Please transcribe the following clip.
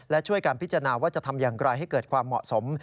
และช่วยการพิจารณาว่าจะทำอย่างไรให้เกิดความเหมาะสม